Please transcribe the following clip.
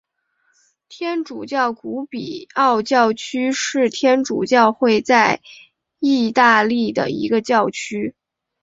天主教古比奥教区是天主教会在义大利的一个教区。